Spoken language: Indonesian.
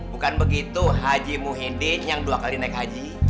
bukan begitu haji muhyiddin yang dua kali naik haji